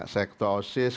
saya ketua osis